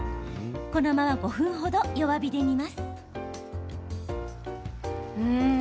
このまま５分程、弱火で煮ます。